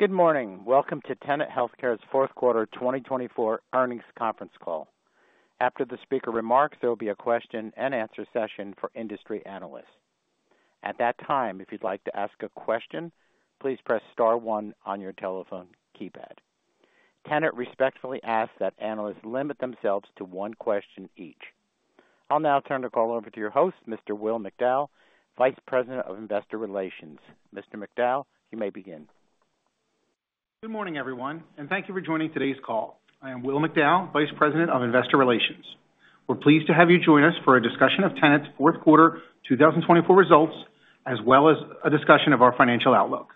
Good morning. Welcome to Tenet Healthcare's Fourth Quarter 2024 earnings conference call. After the speaker remarks, there will be a question-and-answer session for industry analysts. At that time, if you'd like to ask a question, please press star one on your telephone keypad. Tenet respectfully asks that analysts limit themselves to one question each. I'll now turn the call over to your host, Mr. William McDowell, Vice President of Investor Relations. Mr. McDowell, you may begin. Good morning, everyone, and thank you for joining today's call. I am Will McDowell, Vice President of Investor Relations. We're pleased to have you join us for a discussion of Tenet's Fourth Quarter 2024 results, as well as a discussion of our financial outlook.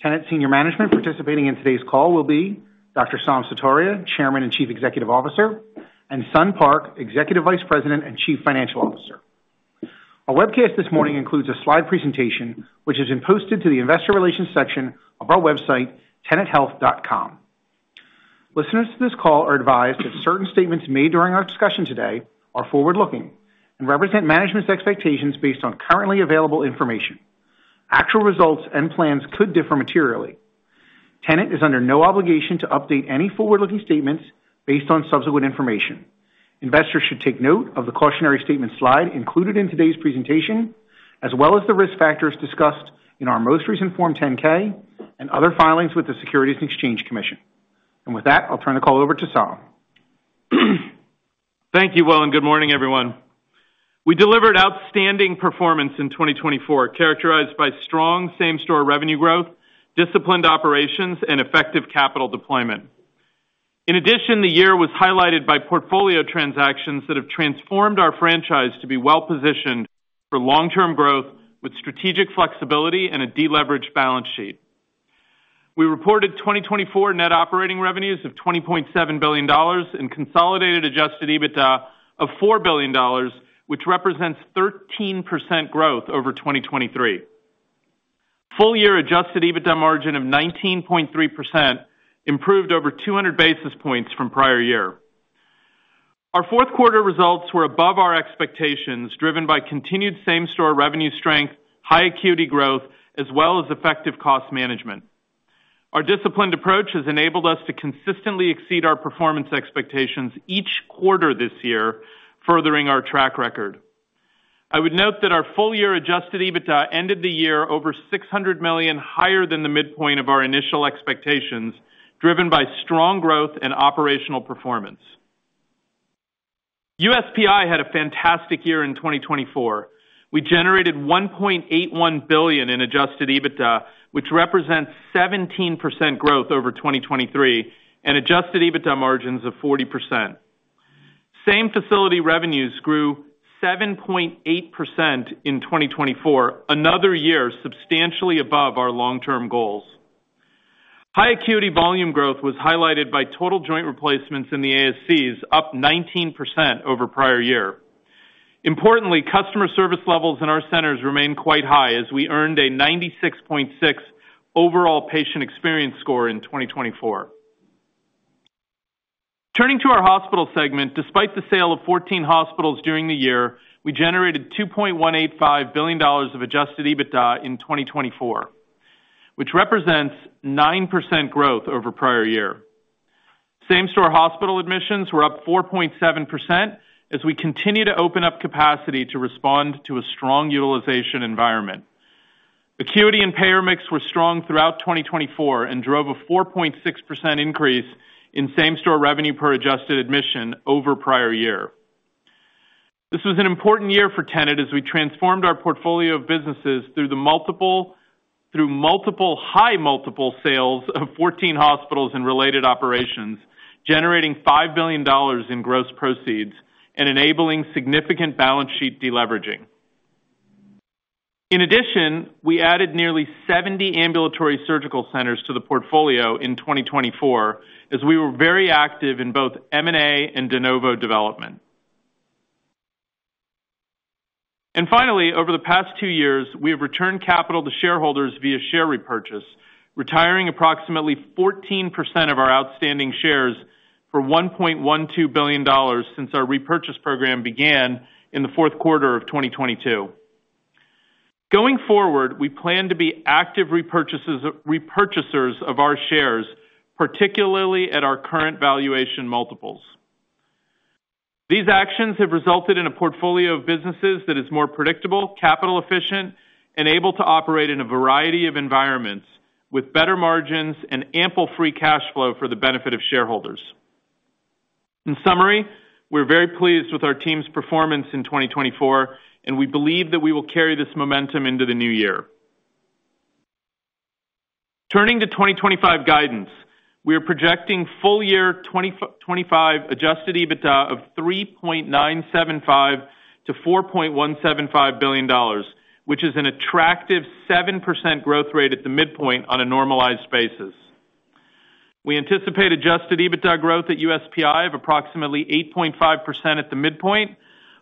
Tenet Senior Management participating in today's call will be Dr. Saum Sutaria, Chairman and Chief Executive Officer, and Sun Park, Executive Vice President and Chief Financial Officer. Our webcast this morning includes a slide presentation, which has been posted to the Investor Relations section of our website, tenethealth.com. Listeners to this call are advised that certain statements made during our discussion today are forward-looking and represent management's expectations based on currently available information. Actual results and plans could differ materially. Tenet is under no obligation to update any forward-looking statements based on subsequent information. Investors should take note of the cautionary statement slide included in today's presentation, as well as the risk factors discussed in our most recent Form 10-K and other filings with the Securities and Exchange Commission, and with that, I'll turn the call over to Saum. Thank you, William, and good morning, everyone. We delivered outstanding performance in 2024, characterized by strong same-store revenue growth, disciplined operations, and effective capital deployment. In addition, the year was highlighted by portfolio transactions that have transformed our franchise to be well-positioned for long-term growth with strategic flexibility and a deleveraged balance sheet. We reported 2024 net operating revenues of $20.7 billion and consolidated adjusted EBITDA of $4 billion, which represents 13% growth over 2023. Full-year adjusted EBITDA margin of 19.3% improved over 200 basis points from prior year. Our fourth quarter results were above our expectations, driven by continued same-store revenue strength, high acuity growth, as well as effective cost management. Our disciplined approach has enabled us to consistently exceed our performance expectations each quarter this year, furthering our track record. I would note that our full-year adjusted EBITDA ended the year over $600 million, higher than the midpoint of our initial expectations, driven by strong growth and operational performance. USPI had a fantastic year in 2024. We generated $1.81 billion in adjusted EBITDA, which represents 17% growth over 2023, and adjusted EBITDA margins of 40%. Same-facility revenues grew 7.8% in 2024, another year substantially above our long-term goals. High acuity volume growth was highlighted by total joint replacements in the ASCs, up 19% over prior year. Importantly, customer service levels in our centers remained quite high, as we earned a 96.6 overall patient experience score in 2024. Turning to our hospital segment, despite the sale of 14 hospitals during the year, we generated $2.185 billion of adjusted EBITDA in 2024, which represents 9% growth over prior year. Same-store hospital admissions were up 4.7% as we continue to open up capacity to respond to a strong utilization environment. Acuity and payer mix were strong throughout 2024 and drove a 4.6% increase in same-store revenue per adjusted admission over prior year. This was an important year for Tenet as we transformed our portfolio of businesses through multiple high multiple sales of 14 hospitals and related operations, generating $5 billion in gross proceeds and enabling significant balance sheet deleveraging. In addition, we added nearly 70 ambulatory surgical centers to the portfolio in 2024, as we were very active in both M&A and de novo development. And finally, over the past two years, we have returned capital to shareholders via share repurchase, retiring approximately 14% of our outstanding shares for $1.12 billion since our repurchase program began in the fourth quarter of 2022. Going forward, we plan to be active repurchasers of our shares, particularly at our current valuation multiples. These actions have resulted in a portfolio of businesses that is more predictable, capital efficient, and able to operate in a variety of environments, with better margins and ample free cash flow for the benefit of shareholders. In summary, we're very pleased with our team's performance in 2024, and we believe that we will carry this momentum into the new year. Turning to 2025 guidance, we are projecting full-year 2025 Adjusted EBITDA of $3.975-$4.175 billion, which is an attractive 7% growth rate at the midpoint on a normalized basis. We anticipate Adjusted EBITDA growth at USPI of approximately 8.5% at the midpoint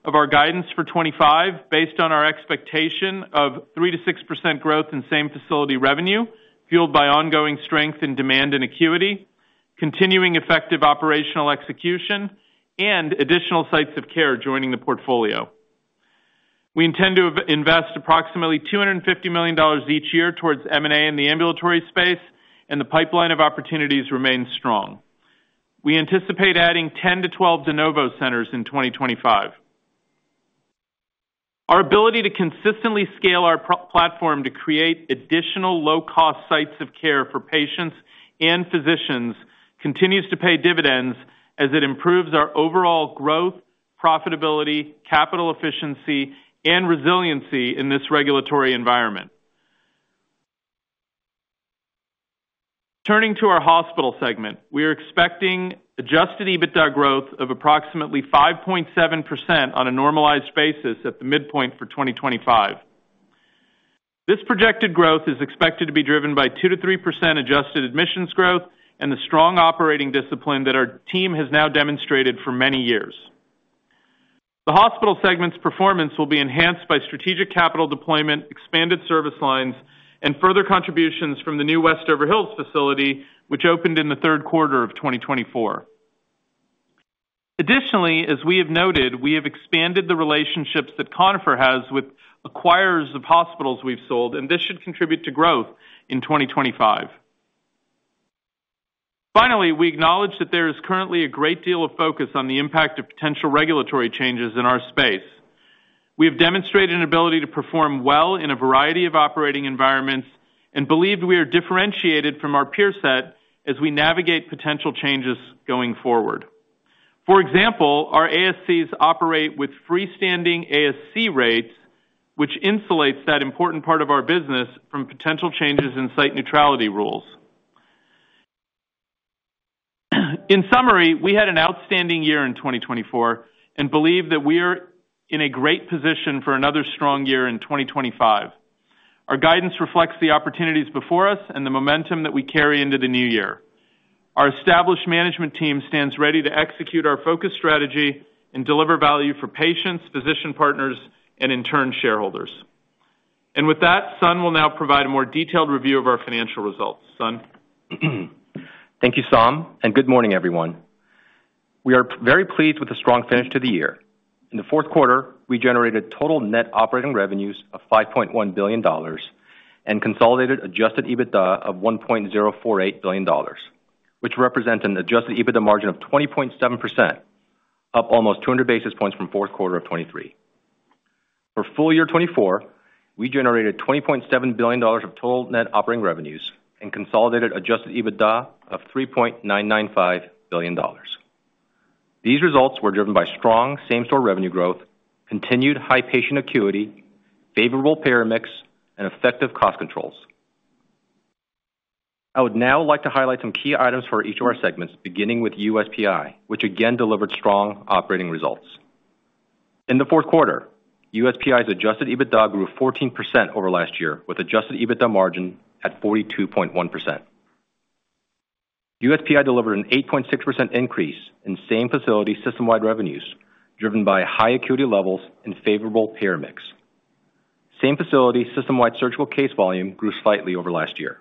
of our guidance for 2025, based on our expectation of 3%-6% growth in same-facility revenue, fueled by ongoing strength in demand and acuity, continuing effective operational execution, and additional sites of care joining the portfolio. We intend to invest approximately $250 million each year towards M&A in the ambulatory space, and the pipeline of opportunities remains strong. We anticipate adding 10-12 de novo centers in 2025. Our ability to consistently scale our platform to create additional low-cost sites of care for patients and physicians continues to pay dividends, as it improves our overall growth, profitability, capital efficiency, and resiliency in this regulatory environment. Turning to our hospital segment, we are expecting Adjusted EBITDA growth of approximately 5.7% on a normalized basis at the midpoint for 2025. This projected growth is expected to be driven by 2%-3% adjusted admissions growth and the strong operating discipline that our team has now demonstrated for many years. The hospital segment's performance will be enhanced by strategic capital deployment, expanded service lines, and further contributions from the new Westover Hills facility, which opened in the third quarter of 2024. Additionally, as we have noted, we have expanded the relationships that Conifer has with acquirers of hospitals we've sold, and this should contribute to growth in 2025. Finally, we acknowledge that there is currently a great deal of focus on the impact of potential regulatory changes in our space. We have demonstrated an ability to perform well in a variety of operating environments and believe we are differentiated from our peer set as we navigate potential changes going forward. For example, our ASCs operate with freestanding ASC rates, which insulates that important part of our business from potential changes in site neutrality rules. In summary, we had an outstanding year in 2024 and believe that we are in a great position for another strong year in 2025. Our guidance reflects the opportunities before us and the momentum that we carry into the new year. Our established management team stands ready to execute our focus strategy and deliver value for patients, physician partners, and our shareholders. And with that, Sun will now provide a more detailed review of our financial results. Sun. Thank you, Saum, and good morning, everyone. We are very pleased with the strong finish to the year. In the fourth quarter, we generated total net operating revenues of $5.1 billion and consolidated adjusted EBITDA of $1.048 billion, which represents an adjusted EBITDA margin of 20.7%, up almost 200 basis points from fourth quarter of 2023. For full-year 2024, we generated $20.7 billion of total net operating revenues and consolidated adjusted EBITDA of $3.995 billion. These results were driven by strong same-store revenue growth, continued high patient acuity, favorable payer mix, and effective cost controls. I would now like to highlight some key items for each of our segments, beginning with USPI, which again delivered strong operating results. In the fourth quarter, USPI's adjusted EBITDA grew 14% over last year, with adjusted EBITDA margin at 42.1%. USPI delivered an 8.6% increase in same-facility system-wide revenues, driven by high acuity levels and favorable payer mix. Same-facility system-wide surgical case volume grew slightly over last year.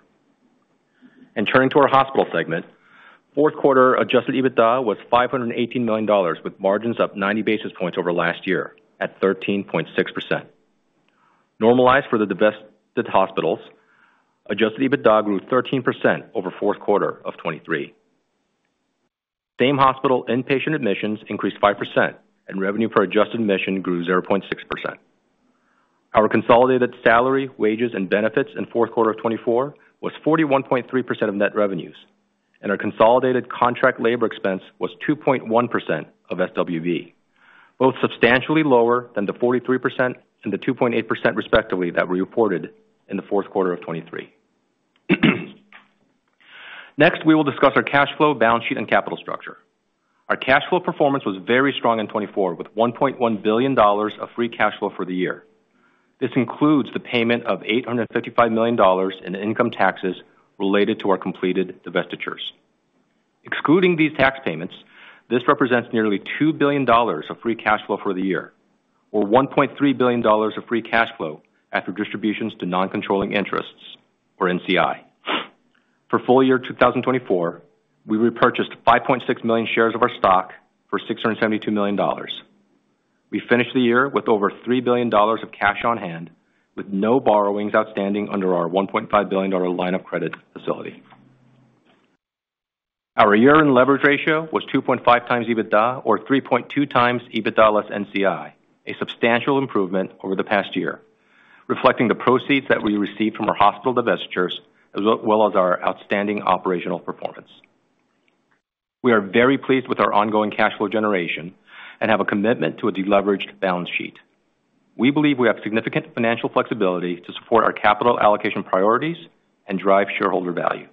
And turning to our hospital segment, fourth quarter adjusted EBITDA was $518 million, with margins up 90 basis points over last year at 13.6%. Normalized for the divested hospitals, adjusted EBITDA grew 13% over fourth quarter of 2023. Same-hospital inpatient admissions increased 5%, and revenue per adjusted admission grew 0.6%. Our consolidated salary, wages, and benefits in fourth quarter of 2024 was 41.3% of net revenues, and our consolidated contract labor expense was 2.1% of SWB, both substantially lower than the 43% and the 2.8% respectively that we reported in the fourth quarter of 2023. Next, we will discuss our cash flow, balance sheet, and capital structure. Our cash flow performance was very strong in 2024, with $1.1 billion of free cash flow for the year. This includes the payment of $855 million in income taxes related to our completed divestitures. Excluding these tax payments, this represents nearly $2 billion of free cash flow for the year, or $1.3 billion of free cash flow after distributions to non-controlling interests, or NCI. For full-year 2024, we repurchased 5.6 million shares of our stock for $672 million. We finished the year with over $3 billion of cash on hand, with no borrowings outstanding under our $1.5 billion line of credit facility. Our year-end leverage ratio was 2.5 times EBITDA, or 3.2 times EBITDA less NCI, a substantial improvement over the past year, reflecting the proceeds that we received from our hospital divestitures, as well as our outstanding operational performance. We are very pleased with our ongoing cash flow generation and have a commitment to a deleveraged balance sheet. We believe we have significant financial flexibility to support our capital allocation priorities and drive shareholder value.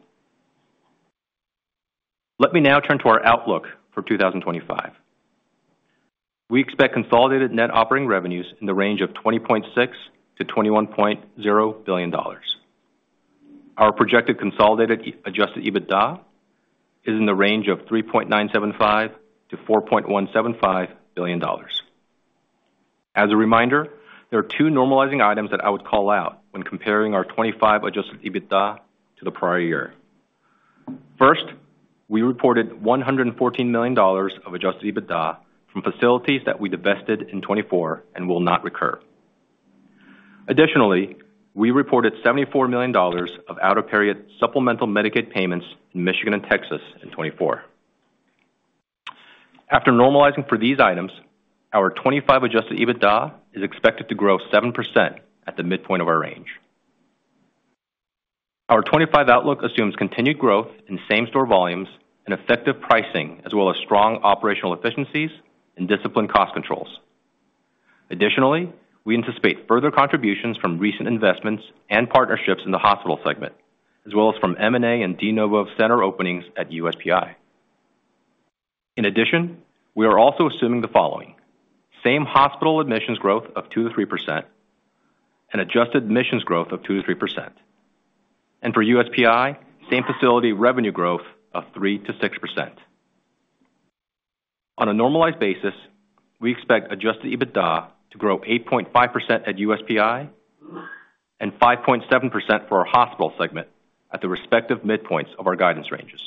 Let me now turn to our outlook for 2025. We expect consolidated net operating revenues in the range of $20.6-$21.0 billion. Our projected consolidated adjusted EBITDA is in the range of $3.975-$4.175 billion. As a reminder, there are two normalizing items that I would call out when comparing our 2025 adjusted EBITDA to the prior year. First, we reported $114 million of adjusted EBITDA from facilities that we divested in 2024 and will not recur. Additionally, we reported $74 million of out-of-period supplemental Medicaid payments in Michigan and Texas in 2024. After normalizing for these items, our 2025 adjusted EBITDA is expected to grow 7% at the midpoint of our range. Our 2025 outlook assumes continued growth in same-store volumes and effective pricing, as well as strong operational efficiencies and disciplined cost controls. Additionally, we anticipate further contributions from recent investments and partnerships in the hospital segment, as well as from M&A and de novo center openings at USPI. In addition, we are also assuming the following: same-hospital admissions growth of 2%-3%, and adjusted admissions growth of 2%-3%. And for USPI, same-facility revenue growth of 3%-6%. On a normalized basis, we expect adjusted EBITDA to grow 8.5% at USPI and 5.7% for our hospital segment at the respective midpoints of our guidance ranges.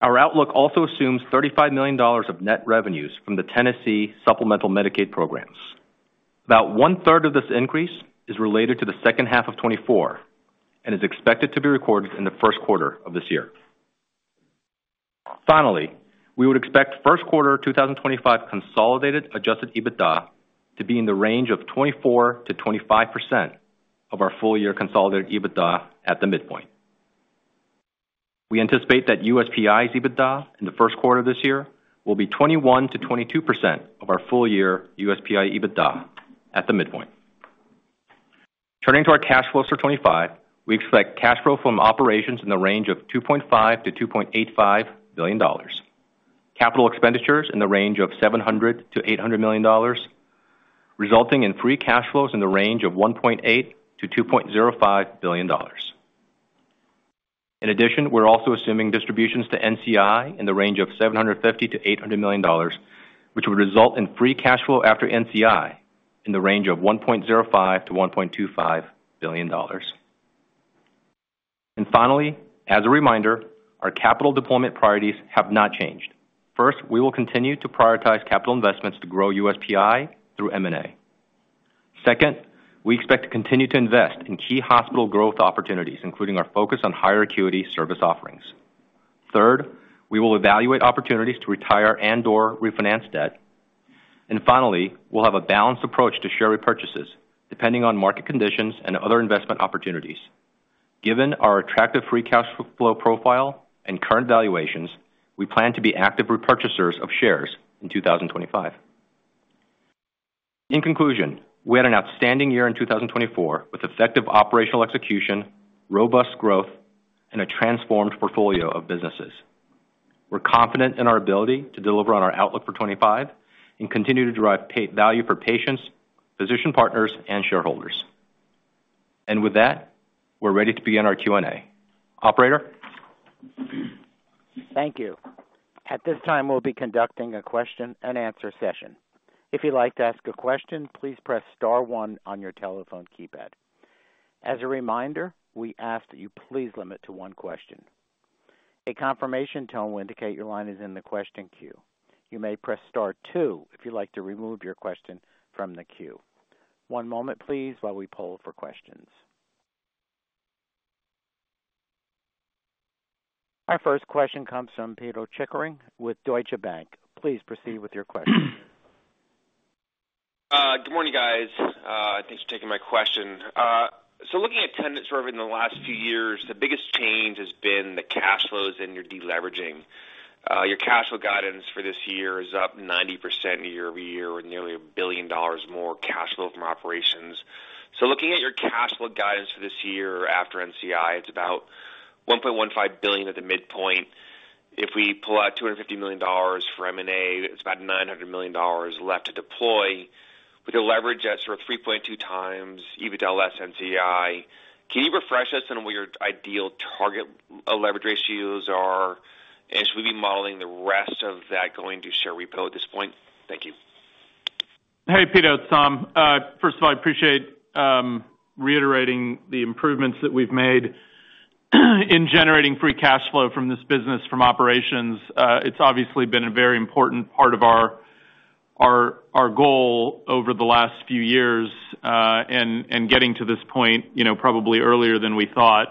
Our outlook also assumes $35 million of net revenues from the Tennessee supplemental Medicaid programs. About one-third of this increase is related to the second half of 2024 and is expected to be recorded in the first quarter of this year. Finally, we would expect first quarter 2025 consolidated adjusted EBITDA to be in the range of 24%-25% of our full-year consolidated EBITDA at the midpoint. We anticipate that USPI's EBITDA in the first quarter of this year will be 21%-22% of our full-year USPI EBITDA at the midpoint. Turning to our cash flows for 2025, we expect cash flow from operations in the range of $2.5-$2.85 billion. Capital expenditures in the range of $700-$800 million, resulting in free cash flows in the range of $1.8-$2.05 billion. In addition, we're also assuming distributions to NCI in the range of $750-$800 million, which would result in free cash flow after NCI in the range of $1.05-$1.25 billion. And finally, as a reminder, our capital deployment priorities have not changed. First, we will continue to prioritize capital investments to grow USPI through M&A. Second, we expect to continue to invest in key hospital growth opportunities, including our focus on higher acuity service offerings. Third, we will evaluate opportunities to retire and/or refinance debt. And finally, we'll have a balanced approach to share repurchases, depending on market conditions and other investment opportunities. Given our attractive free cash flow profile and current valuations, we plan to be active repurchasers of shares in 2025. In conclusion, we had an outstanding year in 2024 with effective operational execution, robust growth, and a transformed portfolio of businesses. We're confident in our ability to deliver on our outlook for 2025 and continue to drive value for patients, physician partners, and shareholders, and with that, we're ready to begin our Q&A. Operator. Thank you. At this time, we'll be conducting a question-and-answer session. If you'd like to ask a question, please press star one on your telephone keypad. As a reminder, we ask that you please limit to one question. A confirmation tone will indicate your line is in the question queue. You may press star two if you'd like to remove your question from the queue. One moment, please, while we poll for questions. Our first question comes from Pito Chickering with Deutsche Bank. Please proceed with your question. Good morning, guys. Thanks for taking my question. So looking at Tenet in the last few years, the biggest change has been the cash flows and your deleveraging. Your cash flow guidance for this year is up 90% year-over-year, with nearly $1 billion more cash flow from operations. So looking at your cash flow guidance for this year after NCI, it's about $1.15 billion at the midpoint. If we pull out $250 million for M&A, it's about $900 million left to deploy. We can leverage at sort of 3.2 times EBITDA less NCI. Can you refresh us on what your ideal target leverage ratios are? And should we be modeling the rest of that going to share repo at this point? Thank you. Hey, Pito. It's Saum. First of all, I appreciate reiterating the improvements that we've made in generating free cash flow from this business from operations. It's obviously been a very important part of our goal over the last few years and getting to this point probably earlier than we thought.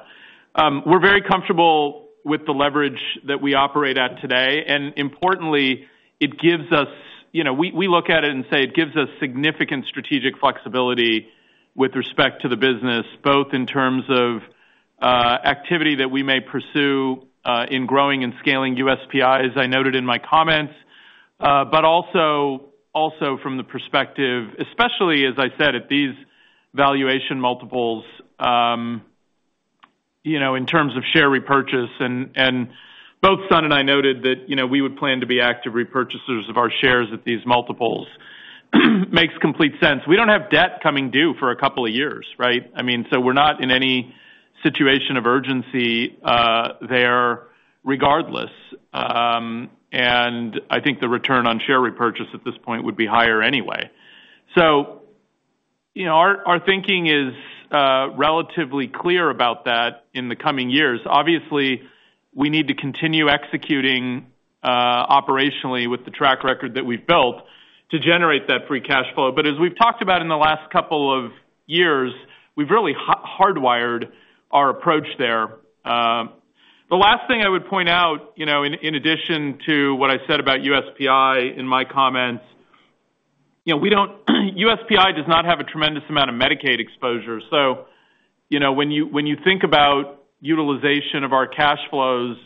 We're very comfortable with the leverage that we operate at today. And importantly, it gives us. We look at it and say it gives us significant strategic flexibility with respect to the business, both in terms of activity that we may pursue in growing and scaling USPI, as I noted in my comments, but also from the perspective, especially, as I said, at these valuation multiples in terms of share repurchase. And both Sun and I noted that we would plan to be active repurchasers of our shares at these multiples. Makes complete sense. We don't have debt coming due for a couple of years, right? I mean, so we're not in any situation of urgency there regardless. And I think the return on share repurchase at this point would be higher anyway. So our thinking is relatively clear about that in the coming years. Obviously, we need to continue executing operationally with the track record that we've built to generate that free cash flow. But as we've talked about in the last couple of years, we've really hardwired our approach there. The last thing I would point out, in addition to what I said about USPI in my comments, USPI does not have a tremendous amount of Medicaid exposure. So when you think about utilization of our cash flows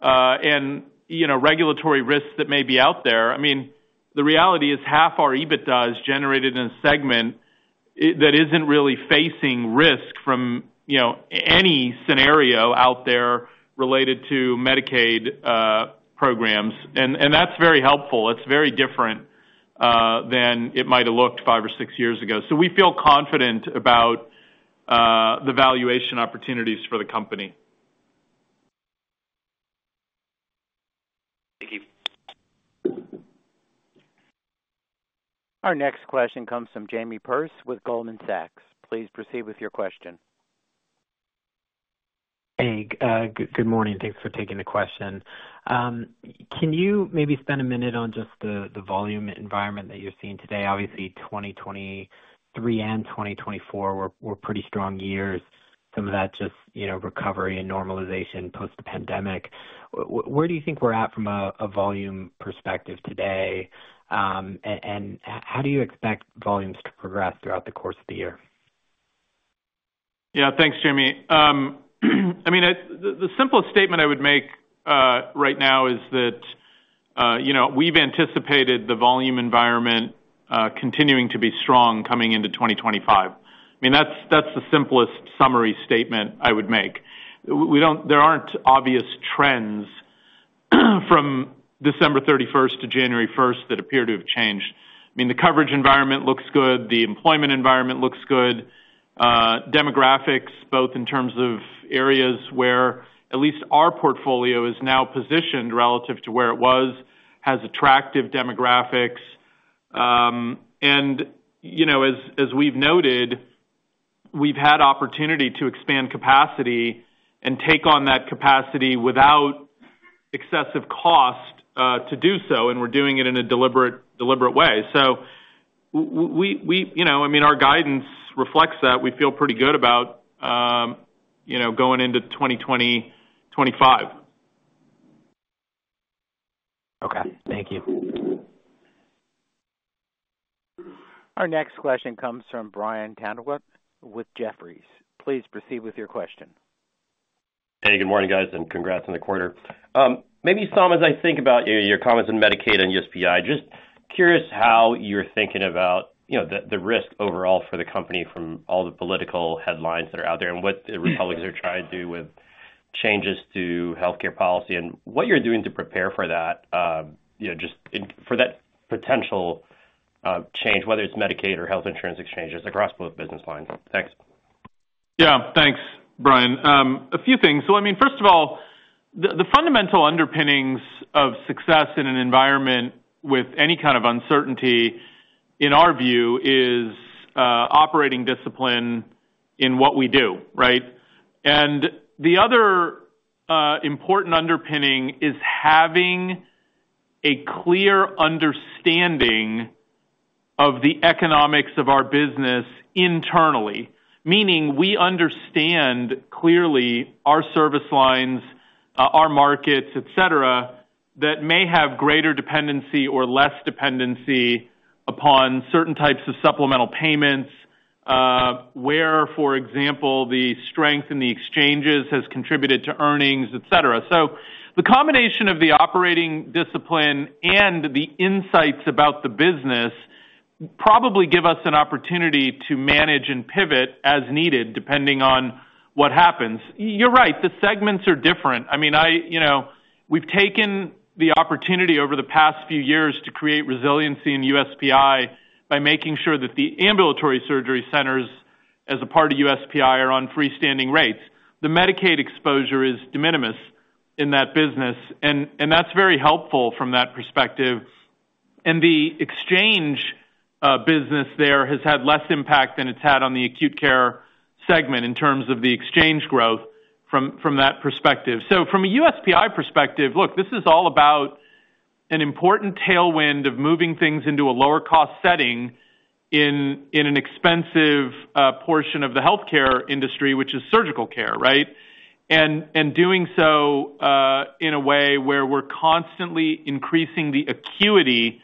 and regulatory risks that may be out there, I mean, the reality is half our EBITDA is generated in a segment that isn't really facing risk from any scenario out there related to Medicaid programs. And that's very helpful. It's very different than it might have looked five or six years ago. So we feel confident about the valuation opportunities for the company. Thank you. Our next question comes from Jamie Perse with Goldman Sachs. Please proceed with your question. Hey, good morning. Thanks for taking the question. Can you maybe spend a minute on just the volume environment that you're seeing today? Obviously, 2023 and 2024 were pretty strong years. Some of that just recovery and normalization post-pandemic. Where do you think we're at from a volume perspective today? And how do you expect volumes to progress throughout the course of the year? Yeah, thanks, Jamie. I mean, the simplest statement I would make right now is that we've anticipated the volume environment continuing to be strong coming into 2025. I mean, that's the simplest summary statement I would make. There aren't obvious trends from December 31st to January 1st that appear to have changed. I mean, the coverage environment looks good. The employment environment looks good. Demographics, both in terms of areas where at least our portfolio is now positioned relative to where it was, has attractive demographics. And as we've noted, we've had opportunity to expand capacity and take on that capacity without excessive cost to do so. And we're doing it in a deliberate way. So I mean, our guidance reflects that. We feel pretty good about going into 2025. Okay. Thank you. Our next question comes from Brian Tanquilut with Jefferies. Please proceed with your question. Hey, good morning, guys, and congrats on the quarter. Maybe, Saum, as I think about your comments on Medicaid and USPI, just curious how you're thinking about the risk overall for the company from all the political headlines that are out there and what the Republicans are trying to do with changes to healthcare policy and what you're doing to prepare for that, just for that potential change, whether it's Medicaid or health insurance exchanges across both business lines. Thanks. Yeah, thanks, Brian. A few things. So I mean, first of all, the fundamental underpinnings of success in an environment with any kind of uncertainty, in our view, is operating discipline in what we do, right? And the other important underpinning is having a clear understanding of the economics of our business internally, meaning we understand clearly our service lines, our markets, etc., that may have greater dependency or less dependency upon certain types of supplemental payments, where, for example, the strength in the exchanges has contributed to earnings, etc. So the combination of the operating discipline and the insights about the business probably give us an opportunity to manage and pivot as needed depending on what happens. You're right. The segments are different. I mean, we've taken the opportunity over the past few years to create resiliency in USPI by making sure that the ambulatory surgery centers, as a part of USPI, are on freestanding rates. The Medicaid exposure is de minimis in that business. And that's very helpful from that perspective. And the exchange business there has had less impact than it's had on the acute care segment in terms of the exchange growth from that perspective. So from a USPI perspective, look, this is all about an important tailwind of moving things into a lower-cost setting in an expensive portion of the healthcare industry, which is surgical care, right? And doing so in a way where we're constantly increasing the acuity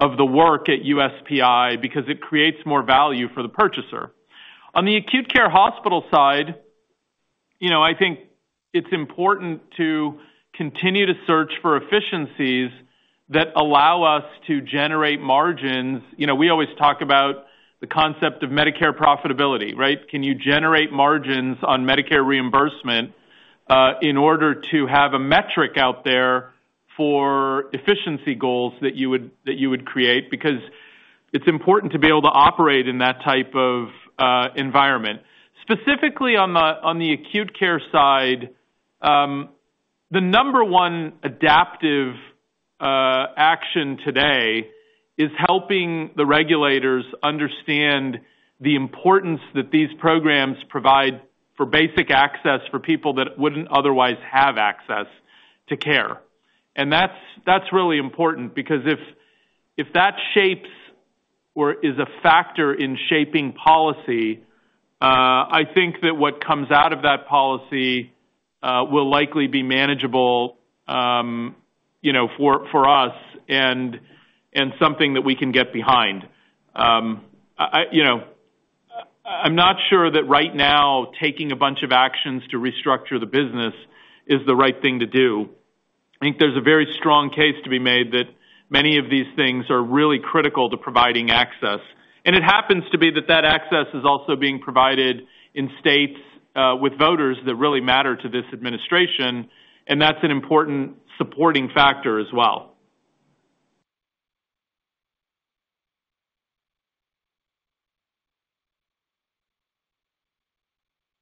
of the work at USPI because it creates more value for the purchaser. On the acute care hospital side, I think it's important to continue to search for efficiencies that allow us to generate margins. We always talk about the concept of Medicare profitability, right? Can you generate margins on Medicare reimbursement in order to have a metric out there for efficiency goals that you would create? Because it's important to be able to operate in that type of environment. Specifically on the acute care side, the number one adaptive action today is helping the regulators understand the importance that these programs provide for basic access for people that wouldn't otherwise have access to care, and that's really important because if that shapes or is a factor in shaping policy, I think that what comes out of that policy will likely be manageable for us and something that we can get behind. I'm not sure that right now, taking a bunch of actions to restructure the business is the right thing to do. I think there's a very strong case to be made that many of these things are really critical to providing access. And it happens to be that that access is also being provided in states with voters that really matter to this administration. And that's an important supporting factor as well.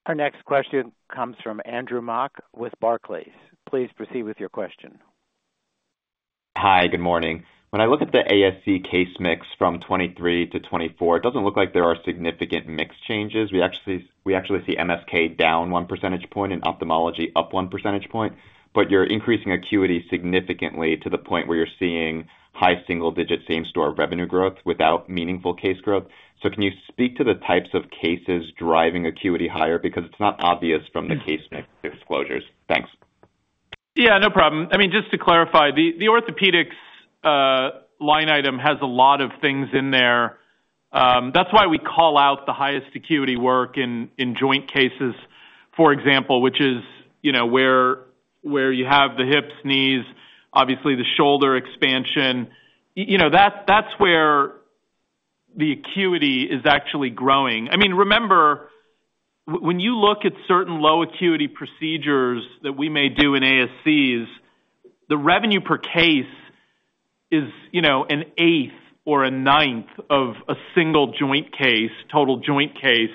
Our next question comes from Andrew Mok with Barclays. Please proceed with your question. Hi, good morning. When I look at the ASC case mix from 2023 to 2024, it doesn't look like there are significant mix changes. We actually see MSK down one percentage point and ophthalmology up one percentage point. But you're increasing acuity significantly to the point where you're seeing high single-digit same-store revenue growth without meaningful case growth. So can you speak to the types of cases driving acuity higher? Because it's not obvious from the case mix exposures. Thanks. Yeah, no problem. I mean, just to clarify, the orthopedics line item has a lot of things in there. That's why we call out the highest acuity work in joint cases, for example, which is where you have the hips, knees, obviously the shoulder expansion. That's where the acuity is actually growing. I mean, remember, when you look at certain low acuity procedures that we may do in ASCs, the revenue per case is an eighth or a ninth of a single joint case, total joint case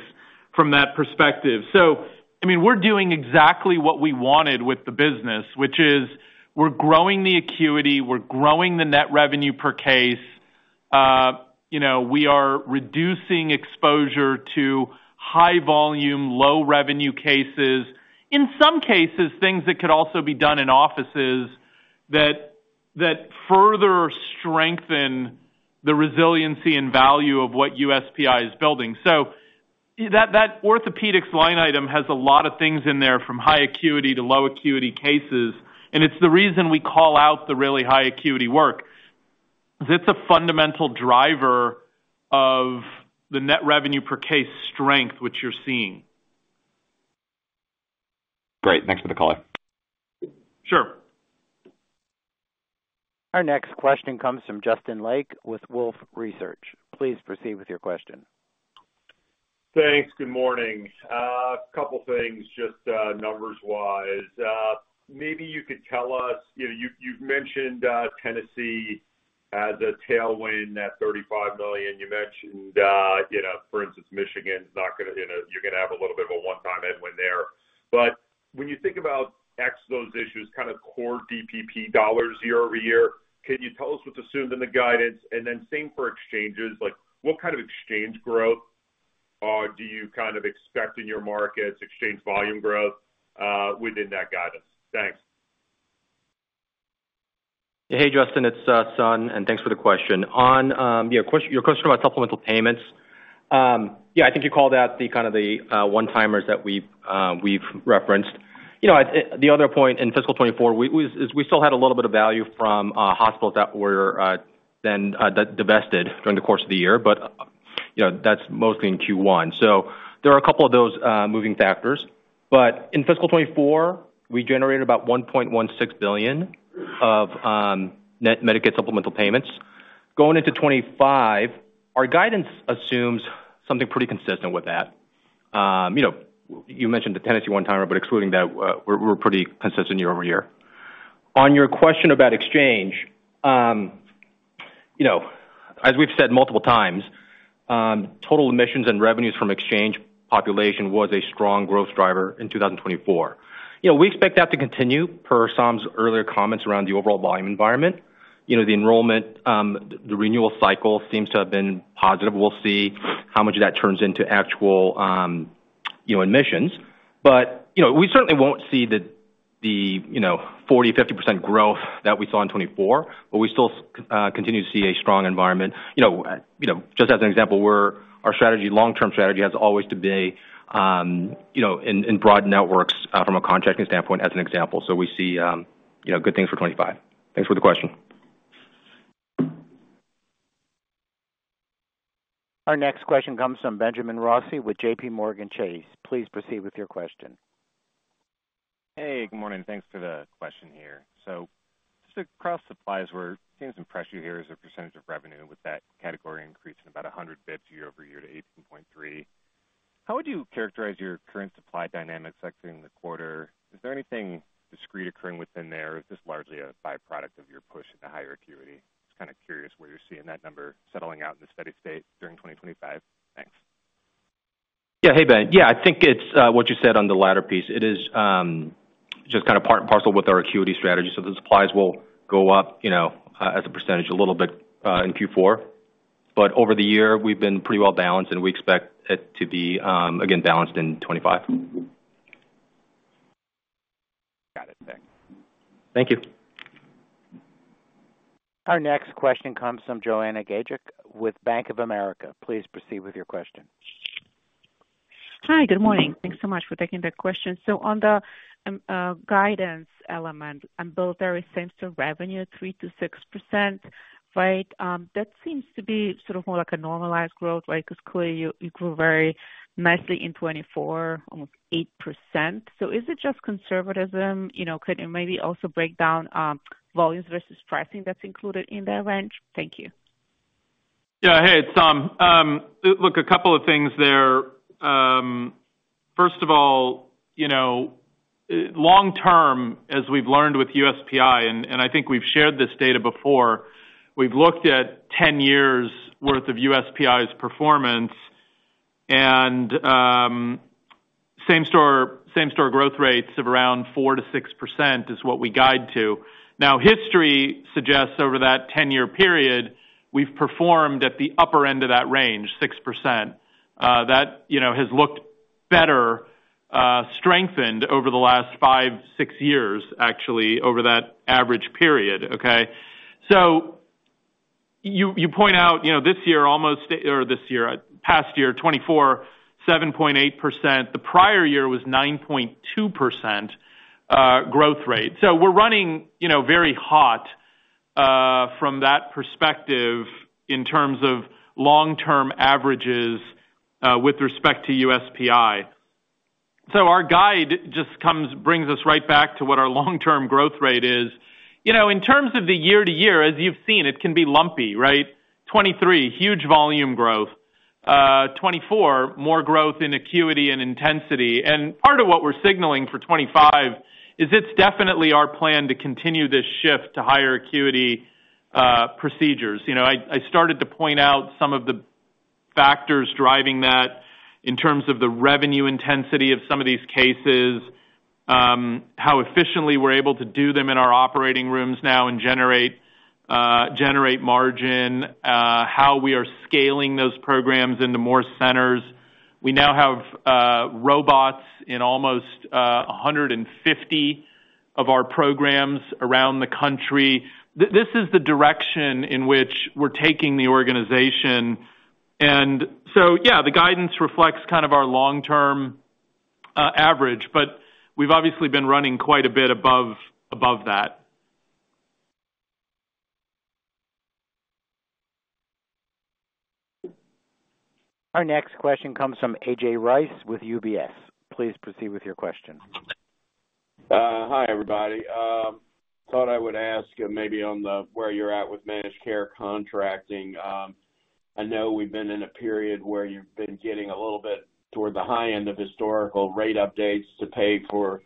from that perspective. So I mean, we're doing exactly what we wanted with the business, which is we're growing the acuity. We're growing the net revenue per case. We are reducing exposure to high-volume, low-revenue cases. In some cases, things that could also be done in offices that further strengthen the resiliency and value of what USPI is building. So that orthopedics line item has a lot of things in there from high acuity to low acuity cases. And it's the reason we call out the really high acuity work. It's a fundamental driver of the net revenue per case strength, which you're seeing. Great. Thanks for the call. Sure. Our next question comes from Justin Lake with Wolfe Research. Please proceed with your question. Thanks. Good morning. A couple of things, just numbers-wise. Maybe you could tell us you've mentioned Tennessee as a tailwind at $35 million. You mentioned, for instance, Michigan is not going to, you're going to have a little bit of a one-time headwind there. But when you think about exposed issues, kind of core DPP dollars year over year, can you tell us what's assumed in the guidance? And then same for exchanges. What kind of exchange growth do you kind of expect in your markets, exchange volume growth within that guidance? Thanks. Hey, Justin. It's Sun. And thanks for the question. On your question about supplemental payments, yeah, I think you called out the kind of the one-timers that we've referenced. The other point in fiscal 2024 is we still had a little bit of value from hospitals that were then divested during the course of the year. But that's mostly in Q1. So there are a couple of those moving factors. But in fiscal 2024, we generated about $1.16 billion of Medicaid supplemental payments. Going into 2025, our guidance assumes something pretty consistent with that. You mentioned the Tennessee one-timer, but excluding that, we're pretty consistent year over year. On your question about exchange, as we've said multiple times, total admissions and revenues from exchange population was a strong growth driver in 2024. We expect that to continue per Saum's earlier comments around the overall volume environment. The enrollment, the renewal cycle seems to have been positive. We'll see how much of that turns into actual admissions. But we certainly won't see the 40%-50% growth that we saw in 2024, but we still continue to see a strong environment. Just as an example, our strategy, long-term strategy, has always to be in broad networks from a contracting standpoint, as an example. So we see good things for 2025. Thanks for the question. Our next question comes from Benjamin Rossi with JPMorgan Chase. Please proceed with your question. Hey, good morning. Thanks for the question here. So just across supplies, we're seeing some pressure here as a percentage of revenue with that category increase in about 100 basis points year over year to 18.3%. How would you characterize your current supply dynamics exiting the quarter? Is there anything discrete occurring within there? Is this largely a byproduct of your push at the higher acuity? Just kind of curious where you're seeing that number settling out in the steady state during 2025. Thanks. Yeah, hey, Benjamin. Yeah, I think it's what you said on the latter piece. It is just kind of part and parcel with our acuity strategy. So the supplies will go up as a percentage a little bit in Q4. But over the year, we've been pretty well balanced, and we expect it to be, again, balanced in 2025. Got it. Thanks. Thank you. Our next question comes from Joanna Gajuk with Bank of America. Please proceed with your question. Hi, good morning. Thanks so much for taking the question. So on the guidance element, ambulatory, same-store revenue, 3%-6%, right? That seems to be sort of more like a normalized growth, right? Because clearly, you grew very nicely in 2024, almost 8%. So is it just conservatism? Could you maybe also break down volumes versus pricing that's included in that range? Thank you. Yeah, hey, it's Sun. Look, a couple of things there. First of all, long-term, as we've learned with USPI, and I think we've shared this data before, we've looked at 10 years' worth of USPI's performance, and same-store growth rates of around 4%-6% is what we guide to. Now, history suggests over that 10-year period, we've performed at the upper end of that range, 6%. That has looked better, strengthened over the last five, six years, actually, over that average period, okay? So you point out this year almost, or this year, past year, 2024, 7.8%. The prior year was 9.2% growth rate. So we're running very hot from that perspective in terms of long-term averages with respect to USPI. So our guide just brings us right back to what our long-term growth rate is. In terms of the year-to-year, as you've seen, it can be lumpy, right? 2023, huge volume growth. 2024, more growth in acuity and intensity, and part of what we're signaling for 2025 is it's definitely our plan to continue this shift to higher acuity procedures. I started to point out some of the factors driving that in terms of the revenue intensity of some of these cases, how efficiently we're able to do them in our operating rooms now and generate margin, how we are scaling those programs into more centers. We now have robots in almost 150 of our programs around the country. This is the direction in which we're taking the organization, and so, yeah, the guidance reflects kind of our long-term average, but we've obviously been running quite a bit above that. Our next question comes from A.J. Rice with UBS. Please proceed with your question. Hi, everybody. Thought I would ask maybe on where you're at with managed care contracting. I know we've been in a period where you've been getting a little bit toward the high end of historical rate updates to pay for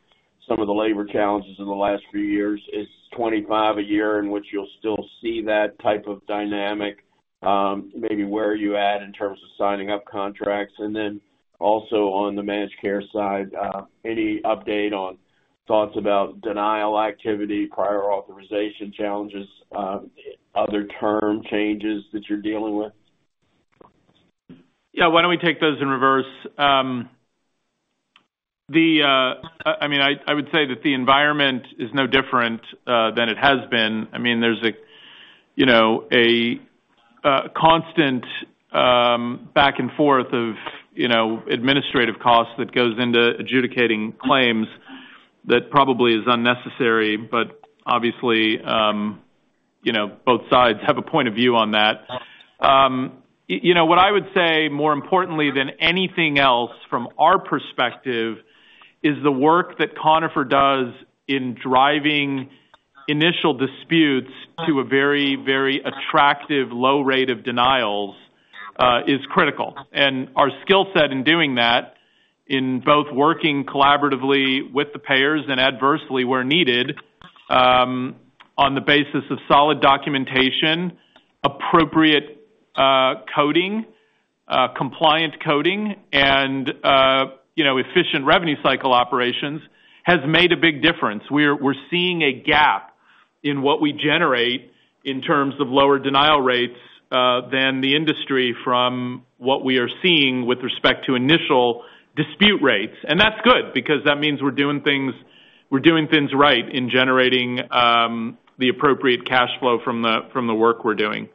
some of the labor challenges in the last few years. Is 2025 a year in which you'll still see that type of dynamic? Maybe where are you at in terms of signing up contracts? And then also on the managed care side, any update on thoughts about denial activity, prior authorization challenges, other term changes that you're dealing with? Yeah, why don't we take those in reverse? I mean, I would say that the environment is no different than it has been. I mean, there's a constant back and forth of administrative costs that goes into adjudicating claims that probably is unnecessary. But obviously, both sides have a point of view on that. What I would say more importantly than anything else from our perspective is the work that Conifer does in driving initial disputes to a very, very attractive low rate of denials is critical. And our skill set in doing that, in both working collaboratively with the payers and adversely where needed on the basis of solid documentation, appropriate coding, compliant coding, and efficient revenue cycle operations, has made a big difference. We're seeing a gap in what we generate in terms of lower denial rates than the industry from what we are seeing with respect to initial dispute rates. And that's good because that means we're doing things right in generating the appropriate cash flow from the work we're doing.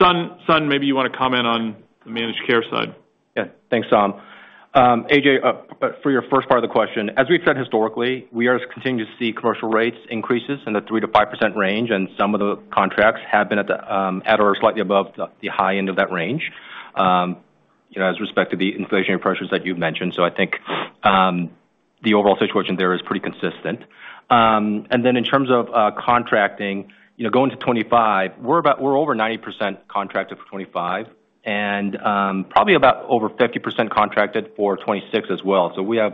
Sun, maybe you want to comment on the managed care side. Yeah. Thanks, Sun. A.J., for your first part of the question, as we've said historically, we are continuing to see commercial rates increases in the 3%-5% range. And some of the contracts have been at or slightly above the high end of that range with respect to the inflationary pressures that you've mentioned. So I think the overall situation there is pretty consistent. And then in terms of contracting, going to 2025, we're over 90% contracted for 2025 and probably about over 50% contracted for 2026 as well. So we have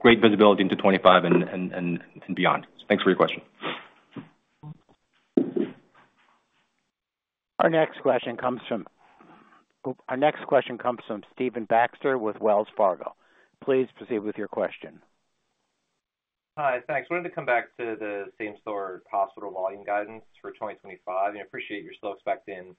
great visibility into 2025 and beyond. Thanks for your question. Our next question comes from Stephen Baxter with Wells Fargo. Please proceed with your question. Hi. Thanks. We're going to come back to the same-store hospital volume guidance for 2025. And I appreciate you're still expecting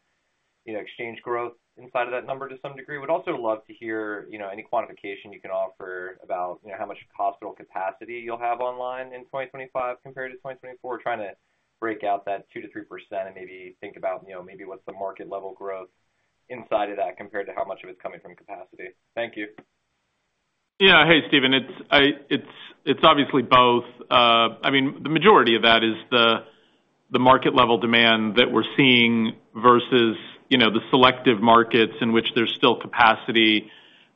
admissions growth inside of that number to some degree. We'd also love to hear any quantification you can offer about how much hospital capacity you'll have online in 2025 compared to 2024, trying to break out that 2%-3% and maybe think about maybe what's the market-level growth inside of that compared to how much of it's coming from capacity. Thank you. Yeah. Hey, Stephen. It's obviously both. I mean, the majority of that is the market-level demand that we're seeing versus the selective markets in which there's still capacity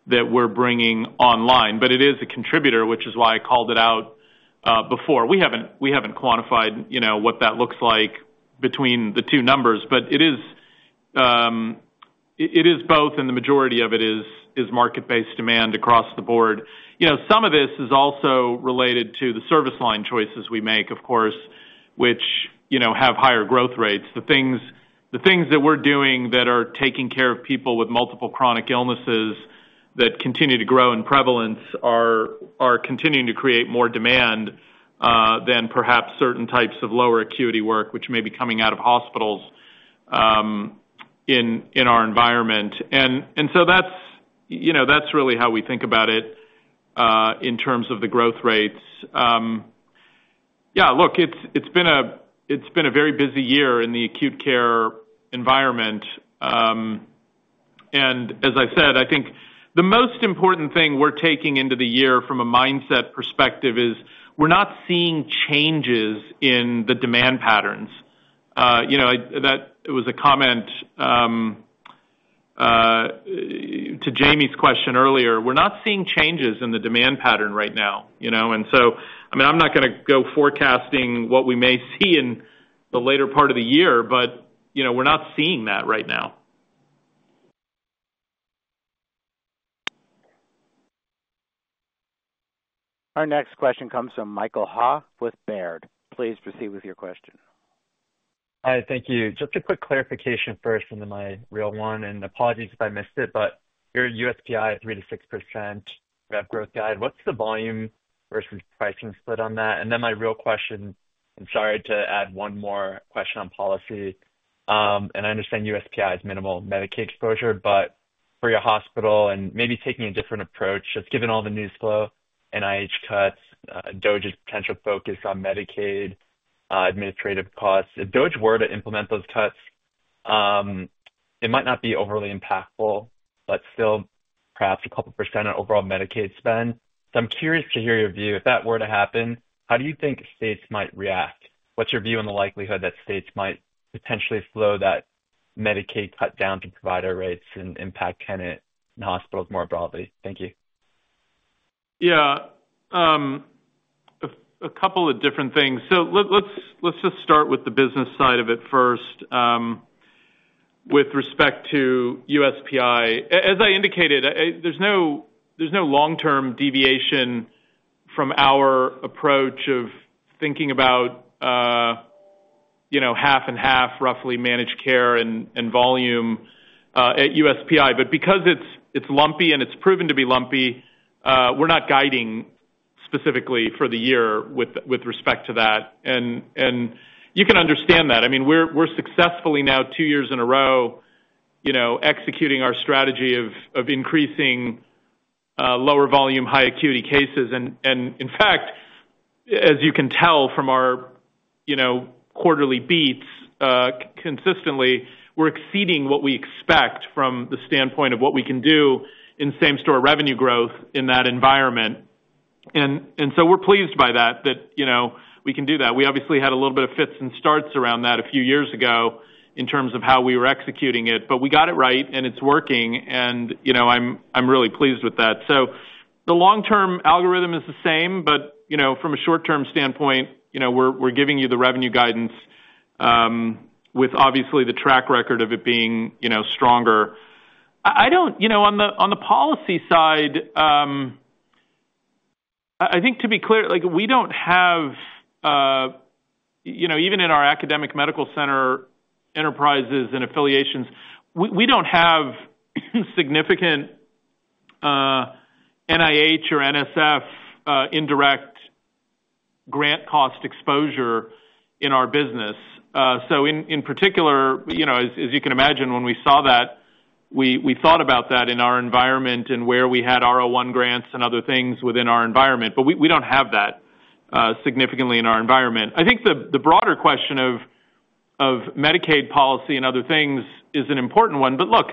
that we're bringing online. But it is a contributor, which is why I called it out before. We haven't quantified what that looks like between the two numbers, but it is both, and the majority of it is market-based demand across the board. Some of this is also related to the service line choices we make, of course, which have higher growth rates. The things that we're doing that are taking care of people with multiple chronic illnesses that continue to grow in prevalence are continuing to create more demand than perhaps certain types of lower acuity work, which may be coming out of hospitals in our environment. And so that's really how we think about it in terms of the growth rates. Yeah, look, it's been a very busy year in the acute care environment. And as I said, I think the most important thing we're taking into the year from a mindset perspective is we're not seeing changes in the demand patterns. It was a comment to Jamie's question earlier. We're not seeing changes in the demand pattern right now. And so, I mean, I'm not going to go forecasting what we may see in the later part of the year, but we're not seeing that right now. Our next question comes from Michael Ha with Baird. Please proceed with your question. Hi. Thank you. Just a quick clarification first into my real one. And apologies if I missed it, but your USPI 3%-6% growth guide, what's the volume versus pricing split on that? And then my real question, and sorry to add one more question on policy. And I understand USPI is minimal Medicaid exposure, but for your hospital and maybe taking a different approach, just given all the news flow, NIH cuts, DOGE's potential focus on Medicaid administrative costs, if DOGE were to implement those cuts, it might not be overly impactful, but still perhaps a couple% of overall Medicaid spend. So I'm curious to hear your view. If that were to happen, how do you think states might react? What's your view on the likelihood that states might potentially slow that Medicaid cut down to provider rates and impact Tenet and hospitals more broadly? Thank you. Yeah. A couple of different things. So let's just start with the business side of it first with respect to USPI. As I indicated, there's no long-term deviation from our approach of thinking about half and half, roughly managed care and volume at USPI. But because it's lumpy and it's proven to be lumpy, we're not guiding specifically for the year with respect to that. And you can understand that. I mean, we're successfully now two years in a row executing our strategy of increasing lower volume, high acuity cases. And in fact, as you can tell from our quarterly beats, consistently, we're exceeding what we expect from the standpoint of what we can do in same-store revenue growth in that environment. And so we're pleased by that, that we can do that. We obviously had a little bit of fits and starts around that a few years ago in terms of how we were executing it, but we got it right, and it's working. And I'm really pleased with that. So the long-term algorithm is the same, but from a short-term standpoint, we're giving you the revenue guidance with obviously the track record of it being stronger. On the policy side, I think to be clear, we don't have, even in our academic medical center enterprises and affiliations, we don't have significant NIH or NSF indirect grant cost exposure in our business. So in particular, as you can imagine, when we saw that, we thought about that in our environment and where we had R01 grants and other things within our environment. But we don't have that significantly in our environment. I think the broader question of Medicaid policy and other things is an important one. But look,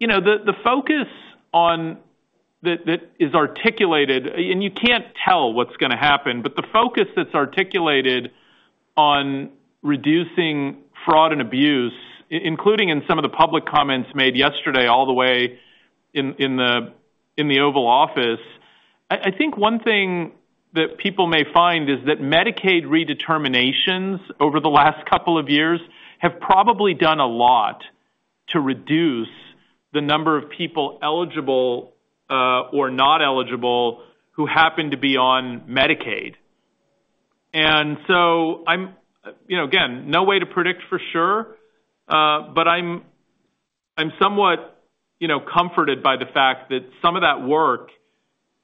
the focus that is articulated, and you can't tell what's going to happen, but the focus that's articulated on reducing fraud and abuse, including in some of the public comments made yesterday all the way in the Oval Office, I think one thing that people may find is that Medicaid redeterminations over the last couple of years have probably done a lot to reduce the number of people eligible or not eligible who happen to be on Medicaid. And so again, no way to predict for sure, but I'm somewhat comforted by the fact that some of that work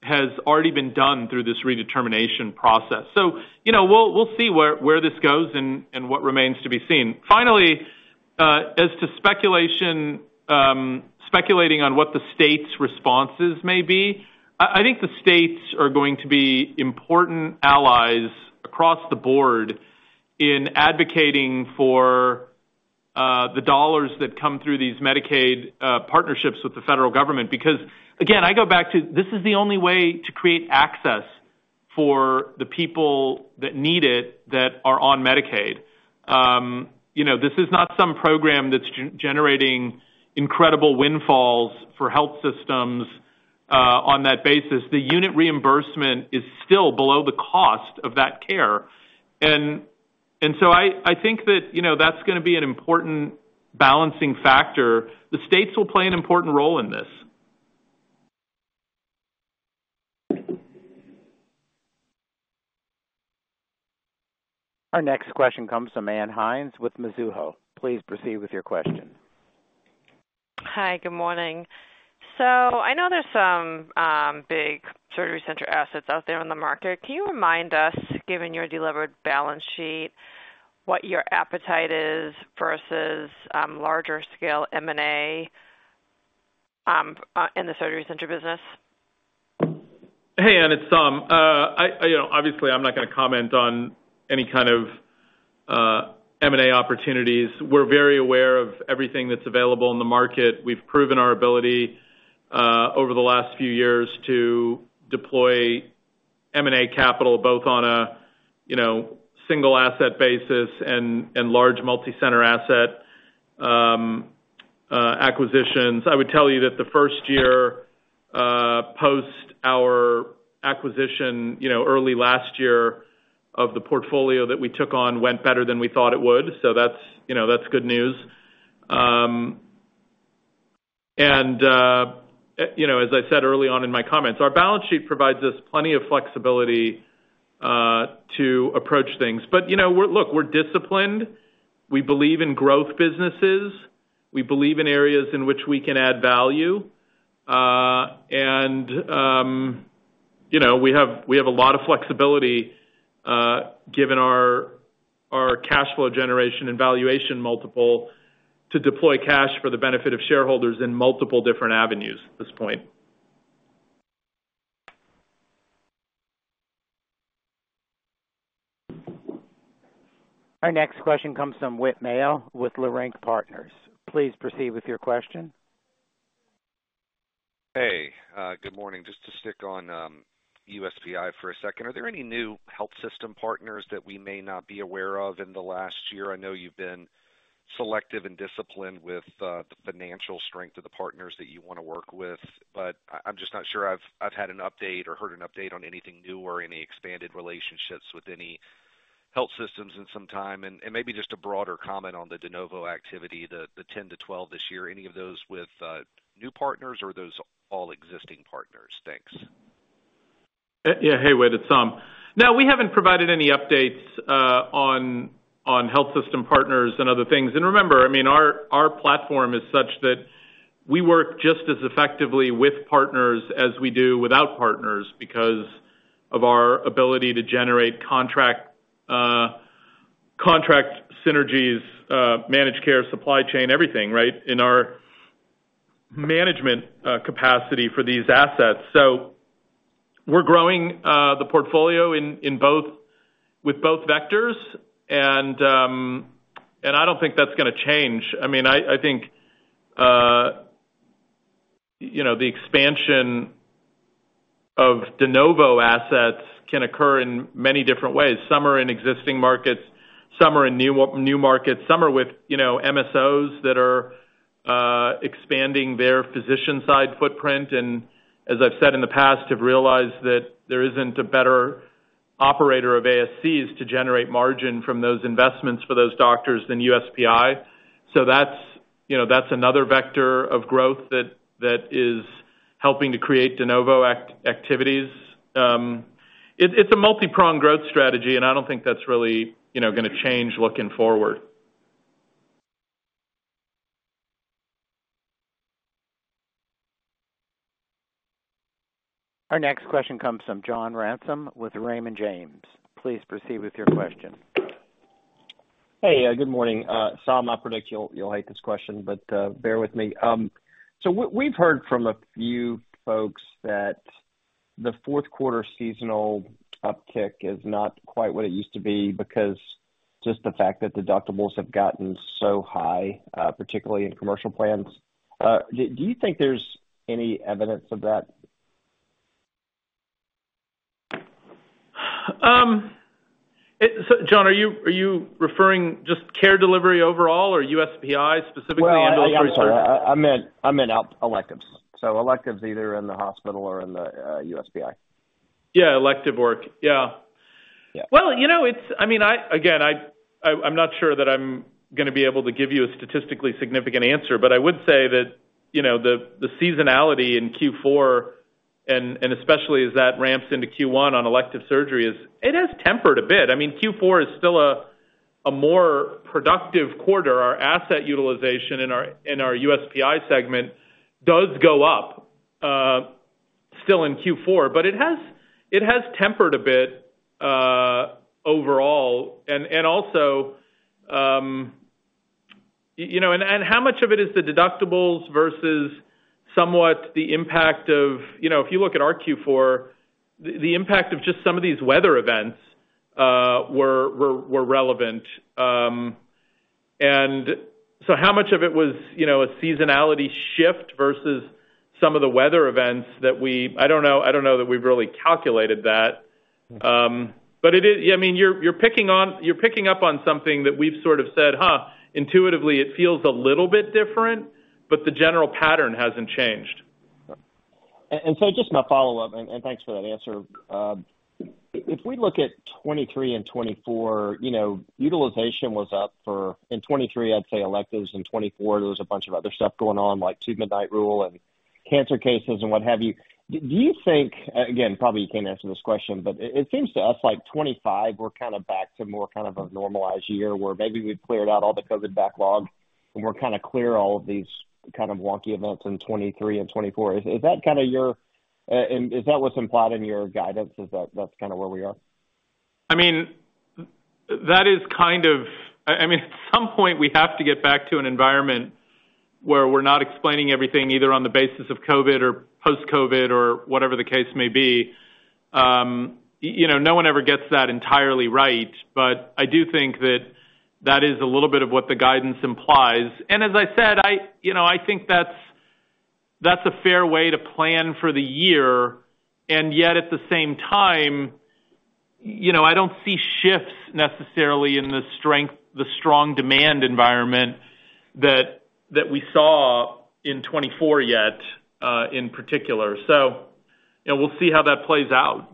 has already been done through this redetermination process. So we'll see where this goes and what remains to be seen. Finally, as to speculating on what the states' responses may be, I think the states are going to be important allies across the board in advocating for the dollars that come through these Medicaid partnerships with the federal government. Because again, I go back to this is the only way to create access for the people that need it that are on Medicaid. This is not some program that's generating incredible windfalls for health systems on that basis. The unit reimbursement is still below the cost of that care. And so I think that that's going to be an important balancing factor. The states will play an important role in this. Our next question comes from Ann Hynes with Mizuho. Please proceed with your question. Hi. Good morning. So I know there's some big surgery center assets out there on the market. Can you remind us, given your delivered balance sheet, what your appetite is versus larger scale M&A in the surgery center business? Hey, Ann. It's Sun. Obviously, I'm not going to comment on any kind of M&A opportunities. We're very aware of everything that's available in the market. We've proven our ability over the last few years to deploy M&A capital both on a single asset basis and large multi-center asset acquisitions. I would tell you that the first year post our acquisition, early last year of the portfolio that we took on went better than we thought it would. So that's good news. And as I said early on in my comments, our balance sheet provides us plenty of flexibility to approach things. But look, we're disciplined. We believe in growth businesses. We believe in areas in which we can add value. We have a lot of flexibility given our cash flow generation and valuation multiple to deploy cash for the benefit of shareholders in multiple different avenues at this point. Our next question comes from Whit Mayo with Leerink Partners. Please proceed with your question. Hey. Good morning. Just to stick on USPI for a second. Are there any new health system partners that we may not be aware of in the last year? I know you've been selective and disciplined with the financial strength of the partners that you want to work with, but I'm just not sure I've had an update or heard an update on anything new or any expanded relationships with any health systems in some time. And maybe just a broader comment on the de novo activity, the 10-12 this year. Any of those with new partners or those all existing partners? Thanks. Yeah. Hey, wait. It's Sun. No, we haven't provided any updates on health system partners and other things. And remember, I mean, our platform is such that we work just as effectively with partners as we do without partners because of our ability to generate contract synergies, managed care, supply chain, everything, right, in our management capacity for these assets. So we're growing the portfolio with both vectors. And I don't think that's going to change. I mean, I think the expansion of de novo assets can occur in many different ways. Some are in existing markets. Some are in new markets. Some are with MSOs that are expanding their physician-side footprint. And as I've said in the past, have realized that there isn't a better operator of ASCs to generate margin from those investments for those doctors than USPI. So that's another vector of growth that is helping to create de novo activities. It's a multi-pronged growth strategy, and I don't think that's really going to change looking forward. Our next question comes from John Ransom with Raymond James. Please proceed with your question. Hey, good morning. Sun, I predict you'll hate this question, but bear with me. So we've heard from a few folks that the fourth quarter seasonal uptick is not quite what it used to be because just the fact that deductibles have gotten so high, particularly in commercial plans. Do you think there's any evidence of that? So, John, are you referring just care delivery overall or USPI specifically? Yeah, yeah, yeah. I meant electives. So electives either in the hospital or in the USPI. Yeah, elective work. Yeah. Well, I mean, again, I'm not sure that I'm going to be able to give you a statistically significant answer, but I would say that the seasonality in Q4, and especially as that ramps into Q1 on elective surgery, it has tempered a bit. I mean, Q4 is still a more productive quarter. Our asset utilization in our USPI segment does go up still in Q4, but it has tempered a bit overall. And also, and how much of it is the deductibles versus somewhat the impact of if you look at our Q4, the impact of just some of these weather events were relevant. And so how much of it was a seasonality shift versus some of the weather events that we I don't know that we've really calculated that. But I mean, you're picking up on something that we've sort of said, "Huh, intuitively, it feels a little bit different, but the general pattern hasn't changed. And so just my follow-up, and thanks for that answer. If we look at 2023 and 2024, utilization was up for in 2023, I'd say electives. In 2024, there was a bunch of other stuff going on, like Two-Midnight Rule and cancer cases and what have you. Do you think, again, probably you can't answer this question, but it seems to us like 2025, we're kind of back to more kind of a normalized year where maybe we've cleared out all the COVID backlog and we're kind of clear of all of these kind of wonky events in 2023 and 2024. Is that kind of your is that what's implied in your guidance? Is that that's kind of where we are? I mean, that is kind of I mean, at some point, we have to get back to an environment where we're not explaining everything either on the basis of COVID or post-COVID or whatever the case may be. No one ever gets that entirely right, but I do think that that is a little bit of what the guidance implies. And as I said, I think that's a fair way to plan for the year. And yet at the same time, I don't see shifts necessarily in the strong demand environment that we saw in 2024 yet in particular. So we'll see how that plays out.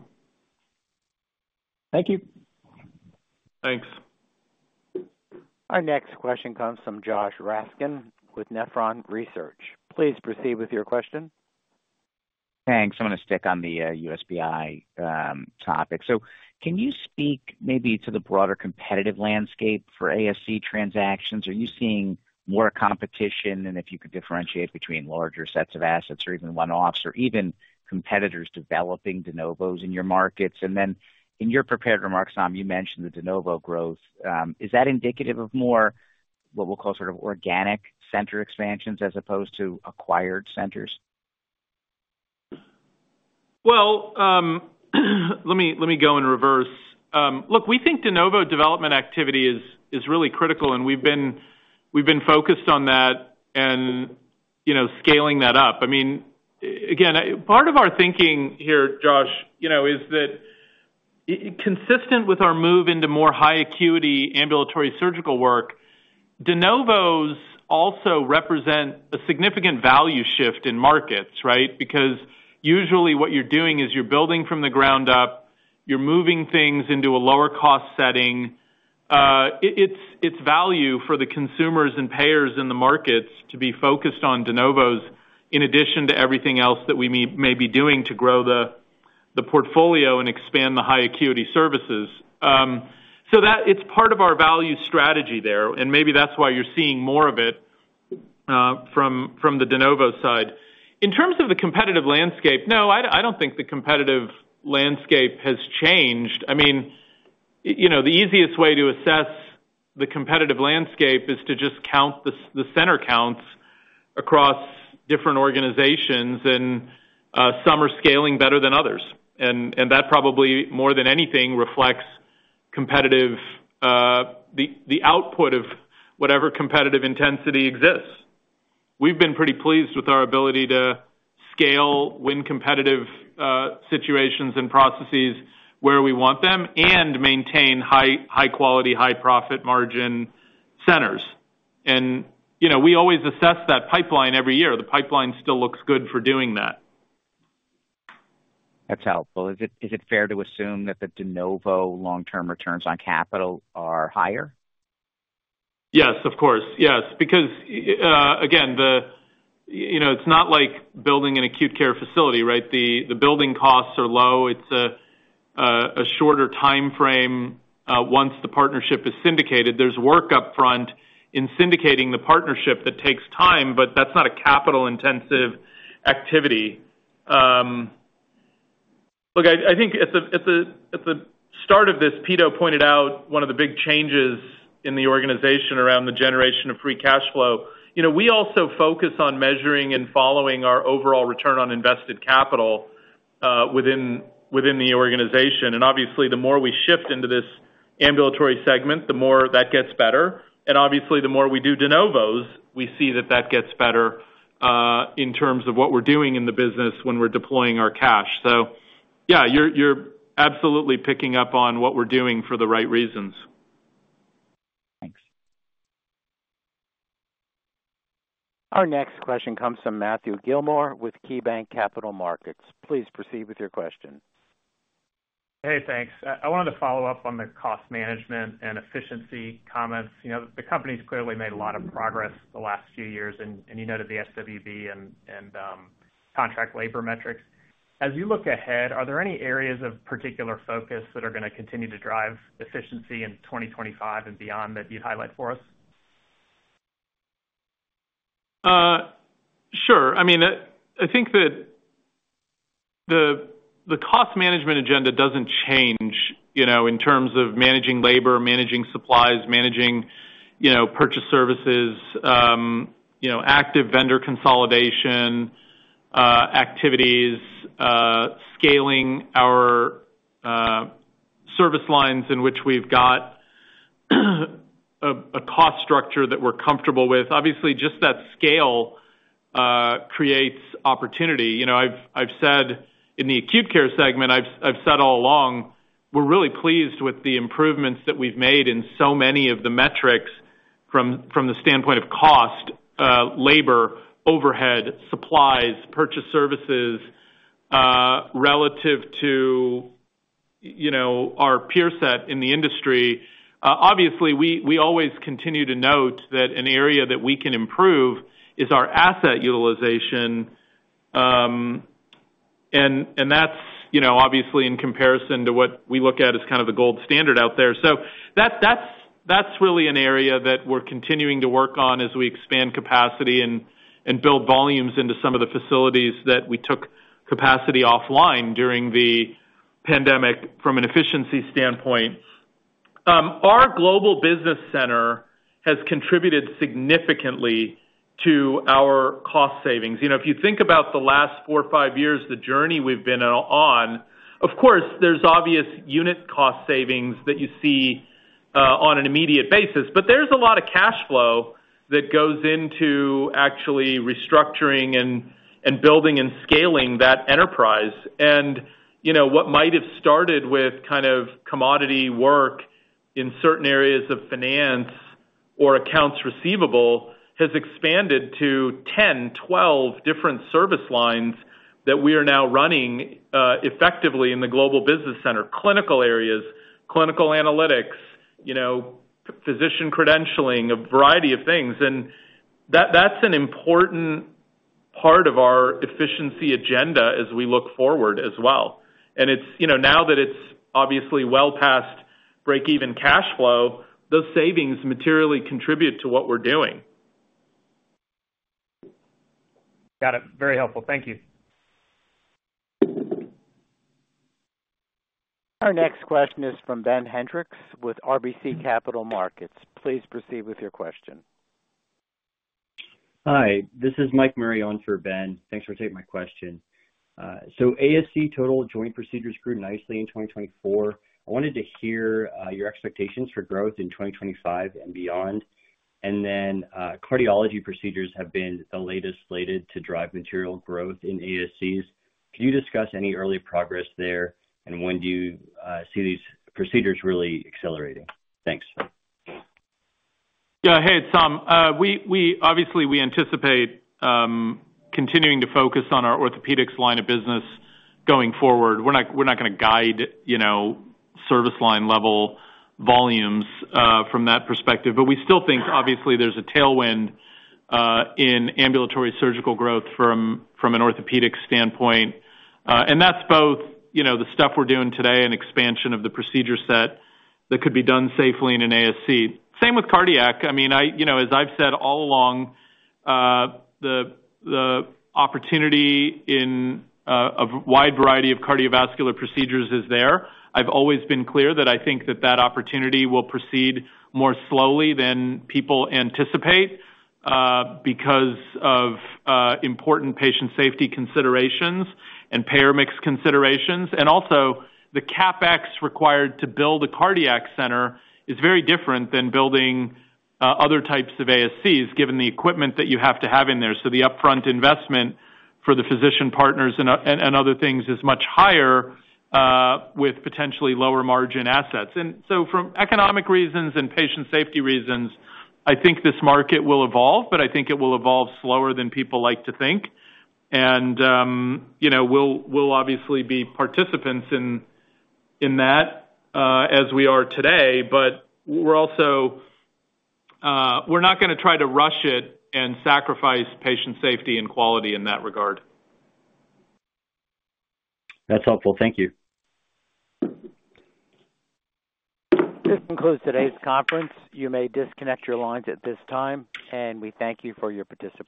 Thank you. Thanks. Our next question comes from Joshua Raskin with Nephron Research. Please proceed with your question. Thanks. I'm going to stick on the USPI topic. So can you speak maybe to the broader competitive landscape for ASC transactions? Are you seeing more competition? And if you could differentiate between larger sets of assets or even one-offs or even competitors developing de novos in your markets? And then in your prepared remarks, Sun, you mentioned the de novo growth. Is that indicative of more what we'll call sort of organic center expansions as opposed to acquired centers? Let me go in reverse. Look, we think de novo development activity is really critical, and we've been focused on that and scaling that up. I mean, again, part of our thinking here, Josh, is that consistent with our move into more high acuity ambulatory surgical work. De novos also represent a significant value shift in markets, right? Because usually what you're doing is you're building from the ground up. You're moving things into a lower-cost setting. It's value for the consumers and payers in the markets to be focused on de novos in addition to everything else that we may be doing to grow the portfolio and expand the high acuity services. So it's part of our value strategy there, and maybe that's why you're seeing more of it from the de novo side. In terms of the competitive landscape, no, I don't think the competitive landscape has changed. I mean, the easiest way to assess the competitive landscape is to just count the center counts across different organizations, and some are scaling better than others. And that probably more than anything reflects the output of whatever competitive intensity exists. We've been pretty pleased with our ability to scale in competitive situations and processes where we want them and maintain high quality, high profit margin centers. And we always assess that pipeline every year. The pipeline still looks good for doing that. That's helpful. Is it fair to assume that the de novo long-term returns on capital are higher? Yes, of course. Yes. Because again, it's not like building an acute care facility, right? The building costs are low. It's a shorter timeframe once the partnership is syndicated. There's work upfront in syndicating the partnership that takes time, but that's not a capital-intensive activity. Look, I think at the start of this, Pito pointed out one of the big changes in the organization around the generation of free cash flow. We also focus on measuring and following our overall return on invested capital within the organization. And obviously, the more we shift into this ambulatory segment, the more that gets better. And obviously, the more we do de novos, we see that that gets better in terms of what we're doing in the business when we're deploying our cash. So yeah, you're absolutely picking up on what we're doing for the right reasons. Thanks. Our next question comes from Matthew Gillmor with KeyBanc Capital Markets. Please proceed with your question. Hey, thanks. I wanted to follow up on the cost management and efficiency comments. The company's clearly made a lot of progress the last few years, and you noted the SWB and contract labor metrics. As you look ahead, are there any areas of particular focus that are going to continue to drive efficiency in 2025 and beyond that you'd highlight for us? Sure. I mean, I think that the cost management agenda doesn't change in terms of managing labor, managing supplies, managing purchased services, active vendor consolidation activities, scaling our service lines in which we've got a cost structure that we're comfortable with. Obviously, just that scale creates opportunity. I've said in the acute care segment, I've said all along, we're really pleased with the improvements that we've made in so many of the metrics from the standpoint of cost, labor, overhead, supplies, purchased services relative to our peer set in the industry. Obviously, we always continue to note that an area that we can improve is our asset utilization. And that's obviously in comparison to what we look at as kind of the gold standard out there. So that's really an area that we're continuing to work on as we expand capacity and build volumes into some of the facilities that we took capacity offline during the pandemic from an efficiency standpoint. Our Global Business Center has contributed significantly to our cost savings. If you think about the last four or five years, the journey we've been on, of course, there's obvious unit cost savings that you see on an immediate basis, but there's a lot of cash flow that goes into actually restructuring and building and scaling that enterprise. And what might have started with kind of commodity work in certain areas of finance or accounts receivable has expanded to 10, 12 different service lines that we are now running effectively in the Global Business Center: clinical areas, clinical analytics, physician credentialing, a variety of things. That's an important part of our efficiency agenda as we look forward as well. Now that it's obviously well past break-even cash flow, those savings materially contribute to what we're doing. Got it. Very helpful. Thank you. Our next question is from Ben Hendrix with RBC Capital Markets. Please proceed with your question. Hi. This is Mike Marion for Ben. Thanks for taking my question. So ASC total joint procedures grew nicely in 2024. I wanted to hear your expectations for growth in 2025 and beyond. And then cardiology procedures have been the latest slated to drive material growth in ASCs. Can you discuss any early progress there, and when do you see these procedures really accelerating? Thanks. Yeah. Hey, Sun, obviously, we anticipate continuing to focus on our orthopedics line of business going forward. We're not going to guide service line level volumes from that perspective, but we still think, obviously, there's a tailwind in ambulatory surgical growth from an orthopedic standpoint. And that's both the stuff we're doing today and expansion of the procedure set that could be done safely in an ASC. Same with cardiac. I mean, as I've said all along, the opportunity in a wide variety of cardiovascular procedures is there. I've always been clear that I think that that opportunity will proceed more slowly than people anticipate because of important patient safety considerations and payer mix considerations. And also, the CapEx required to build a cardiac center is very different than building other types of ASCs given the equipment that you have to have in there. So the upfront investment for the physician partners and other things is much higher with potentially lower margin assets. And so from economic reasons and patient safety reasons, I think this market will evolve, but I think it will evolve slower than people like to think. And we'll obviously be participants in that as we are today, but we're not going to try to rush it and sacrifice patient safety and quality in that regard. That's helpful. Thank you. This concludes today's conference. You may disconnect your lines at this time, and we thank you for your participation.